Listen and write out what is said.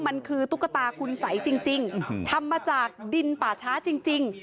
มันคือตุ๊กตาคุณสัยจริงทำมาจากดินป่าช้าจริง